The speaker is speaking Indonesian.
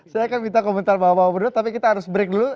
saya akan minta komentar bapak berdua tapi kita harus break dulu